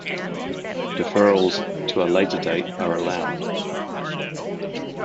Deferrals to a later date are allowed.